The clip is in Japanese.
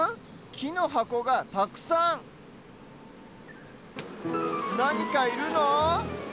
きのはこがたくさんなにかいるの？